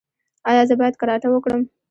ایا زه باید کراټه وکړم؟